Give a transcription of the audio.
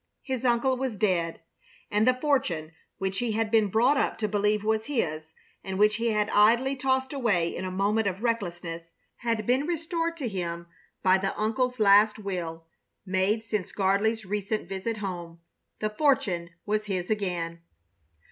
His uncle was dead, and the fortune which he had been brought up to believe was his, and which he had idly tossed away in a moment of recklessness, had been restored to him by the uncle's last will, made since Gardley's recent visit home. The fortune was his again!